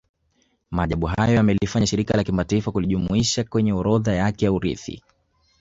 Maajabu hayo yamelifanya Shirika la Kimataifa kulijumlisha kwenye orodha yake ya urithi